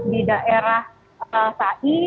di daerah saai